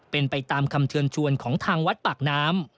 เป็นไปตามคำเชิญชวนของทางวัดปากน้ำ